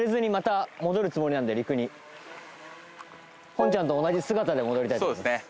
ほんちゃんと同じ姿で戻りたいと思いますそうですね